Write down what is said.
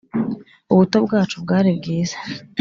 Ubuto bwacu bwari bwiza